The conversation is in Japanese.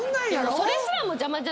それすらも邪魔。